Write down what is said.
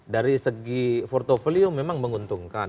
dari segi portfolio memang menguntungkan